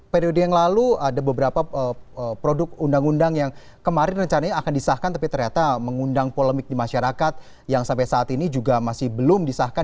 periode yang lalu ada beberapa produk undang undang yang kemarin rencananya akan disahkan tapi ternyata mengundang polemik di masyarakat yang sampai saat ini juga masih belum disahkan